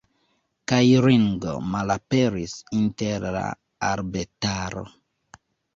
Kaj Ringo malaperis inter la arbetaro.